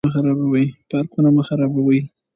پارکونه مه خرابوئ.